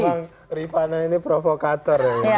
bang rifana ini provokator ya